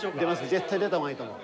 絶対出たほうがいいと思う。